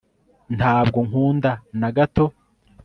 ntabwo nkunda na gato